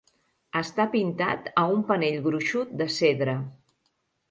Està pintat a un panell gruixut de cedre.